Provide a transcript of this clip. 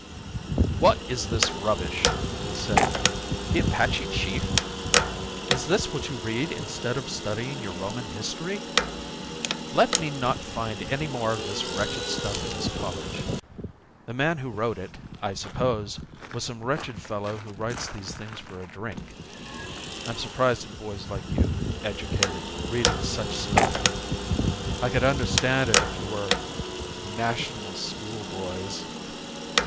"What is this rubbish?" he said. "The Apache Chief! Is this what you read instead of studying your Roman History? Let me not find any more of this wretched stuff in this college. The man who wrote it, I suppose, was some wretched fellow who writes these things for a drink. I'm surprised at boys like you, educated, reading such stuff. I could understand it if you were ... National School boys.